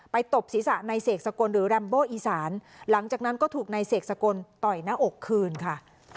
ตบศีรษะในเสกสกลหรือแรมโบอีสานหลังจากนั้นก็ถูกนายเสกสกลต่อยหน้าอกคืนค่ะ